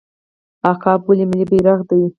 عقاب ولې ملي مرغه دی؟